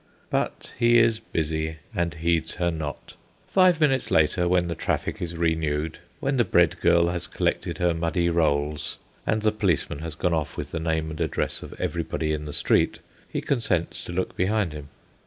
But he is busy, and heeds her not. Five minutes later, when the traffic is renewed, when the bread girl has collected her muddy rolls, and the policeman has gone off with the name and address of everybody in the street, he consents to look behind him.